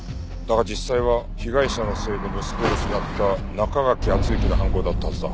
だが実際は被害者のせいで息子を失った中垣敦之の犯行だったはずだ。